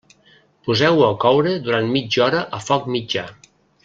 Poseu-ho a coure durant mitja hora a foc mitjà.